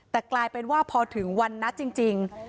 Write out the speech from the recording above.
แต่กลายเป็นว่าพอถึงวันนัดจริง